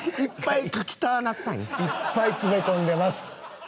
いっぱい詰め込んでます。